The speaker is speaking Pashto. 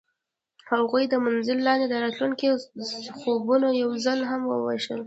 هغوی د منظر لاندې د راتلونکي خوبونه یوځای هم وویشل.